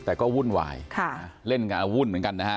แต่ก็วุ่นวายเล่นกับอาวุ่นเหมือนกันนะฮะ